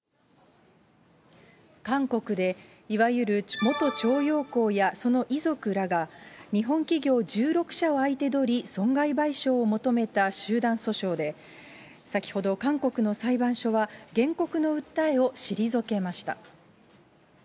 韓国で、いわゆる元徴用工やその遺族らが、日本企業１６社を相手取り損害賠償を求めた集団訴訟で、先ほど、韓国の裁判所は原告の訴えを退けました。